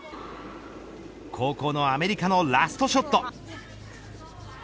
後攻のアメリカのラストショット。